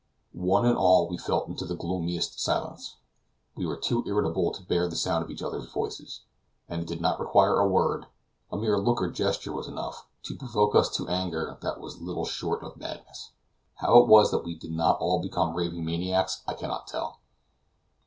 One and all, we fell into the gloomiest silence. We were too irritable to bear the sound of each other's voices; and it did not require a word a mere look or gesture was enough to provoke us to anger that was little short of madness. How it was that we did not all become raving maniacs, I cannot tell.